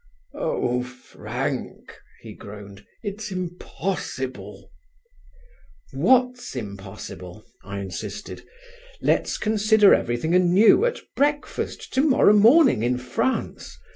"Oh, Frank," he groaned, "it's impossible!" "What's impossible?" I insisted. "Let's consider everything anew at breakfast to morrow morning in France.